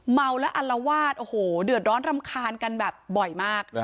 เมาและอัลวาดโอ้โหเดือดร้อนรำคาญกันแบบบ่อยมาก